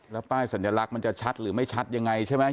แล้วป้ายสัญลักษณ์มันจะชัดหรือไม่ชัดยังไงใช่ไหม